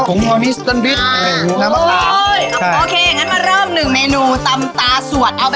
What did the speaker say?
ของน้ำปรุงโอเคงั้นมาเริ่มหนึ่งเมนูตำตาสวดเอาแบบ